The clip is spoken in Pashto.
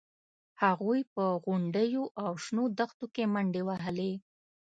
هغوی په غونډیو او شنو دښتونو کې منډې وهلې